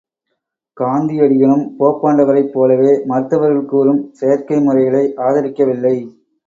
காந்தியடிகளும் போப்பாண்டவரைப் போலவே மருத்துவர் கூறும் செயற்கை முறைகளை ஆதரிக்கவில்லை.